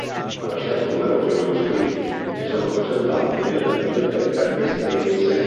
Ha lasciato numerosi manoscritti, che sono conservati nella Biblioteca Estense.